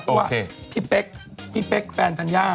เพราะว่าพี่เป๊กพี่เป๊กแฟนธัญญา